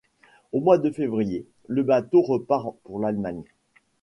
Au mois de février, le bateau repart pour l’Allemagne.